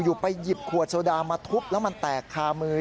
อยู่ไปหยิบขวดโซดามาทุบแล้วมันแตกคามือ